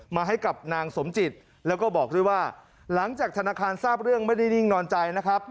มาให้กับนางสมจิตแล้วก็บอกด้วยว่าหลังจากธนาคารทราบเรื่องไม่ได้นิ่งนอนใจนะครับ